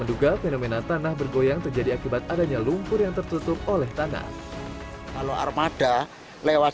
menduga fenomena tanah bergoyang terjadi akibat adanya lumpur yang tertutup oleh tanah kalau armada lewat